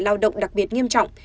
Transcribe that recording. lao động đặc biệt nghiêm trọng